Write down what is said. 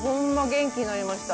元気になりました。